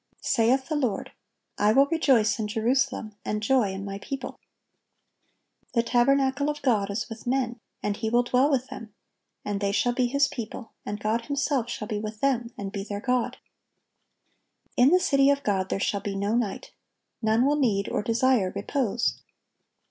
(1187) Saith the Lord, "I will rejoice in Jerusalem, and joy in My people."(1188) "The tabernacle of God is with men, and He will dwell with them, and they shall be His people, and God Himself shall be with them, and be their God."(1189) In the city of God "there shall be no night." None will need or desire repose.